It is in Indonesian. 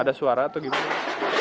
ada suara atau gimana